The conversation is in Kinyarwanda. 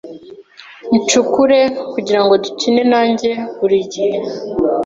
Ncukure kugirango dukine nanjye, burigihe.